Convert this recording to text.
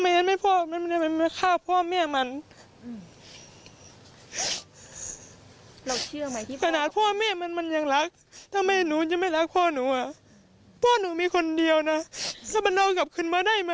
เห็นว่าเรื่องของเราก็ดำเนินการแจ้งความมาต่างสี่เดือน